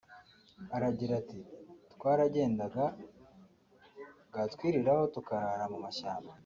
Aragira ati “Twaragendaga bwatwiriraho tukarara mu mashyamba